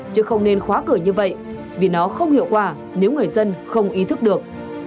chứ không nên khóa cửa như vậy vì nó không hiệu quả nếu người dân không ý thức được